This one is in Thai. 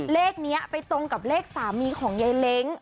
เลขนี้ไปตรงกับเลขสามีของยายเล้ง